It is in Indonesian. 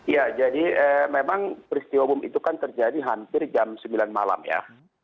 ya jadi memang peristiwa hukum itu kan terjadi hampir jam sembilan malam ya